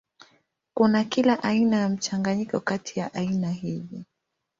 Kuna kila aina ya mchanganyiko kati ya aina hizi.